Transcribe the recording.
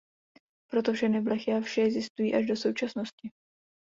Proto všechny blechy a vši existují až do současnosti.